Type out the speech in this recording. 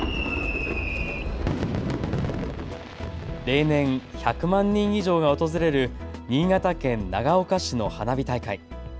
例年、１００万人以上が訪れる新潟県長岡市の花火大会。